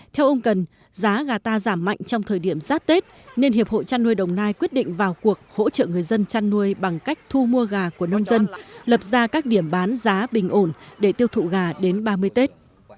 theo ông cần giá gà ta giảm mạnh trong thời điểm giát tết nên hiệp hội chăn nuôi đồng nai quyết định vào cuộc hỗ trợ người dân chăn nuôi bằng cách thu mua gà của nông dân lập ra các điểm bán giá bình ổn để tiêu thụ gà đến ba mươi tết